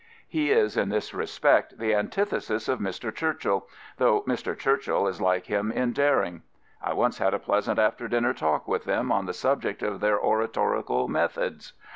He is in this respect the anti thesis of Mr. Churchill, though Mr. Churchill is like him in daring. I once had a pleasant after dinner talk with them on the subject of their oratorical methods.